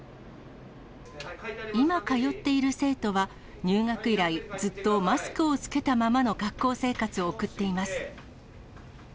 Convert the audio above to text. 今通っている生徒は入学以来、ずっとマスクを着けたままの学校生活を送っています。